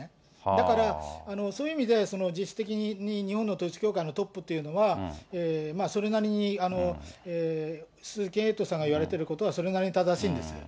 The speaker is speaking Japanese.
だから、そういう意味で実質的に日本の統一教会のトップというのは、それなりに鈴木エイトさんが言われていることは、それなりに正しいんです。